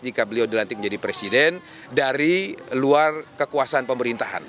jika beliau dilantik menjadi presiden dari luar kekuasaan pemerintahan